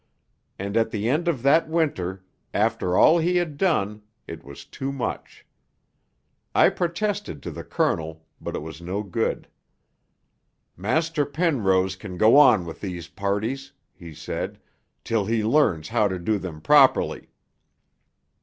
and at the end of that winter, after all he had done, it was too much. I protested to the Colonel, but it was no good. 'Master Penrose can go on with these parties,' he said, 'till he learns how to do them properly.'